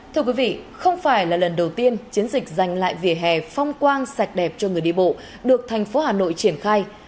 thưa quý vị không phải là lần đầu tiên chiến dịch dành lại vỉa hè phong quang sạch đẹp cho người đi bộ được thành phố hà nội triển khai